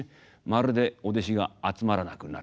まるでお弟子が集まらなくなってきた。